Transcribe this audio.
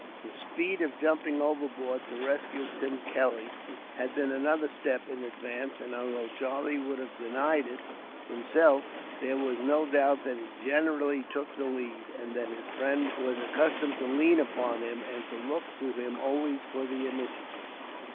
His feat of jumping overboard, to rescue Tim Kelly, had been another step in advance; and, although Charlie would have denied it himself, there was no doubt that he generally took the lead, and that his friend was accustomed to lean upon him, and to look to him always for the initiative.